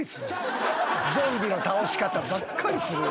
ゾンビの倒し方ばっかりする。